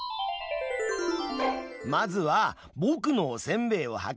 まずはぼくのおせんべいをはかるよ。